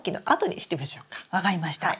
分かりました。